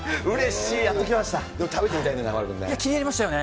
うれしい、やっときました。